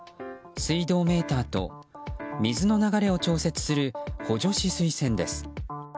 水道メーターと、水の流れを調節する補助止水栓です。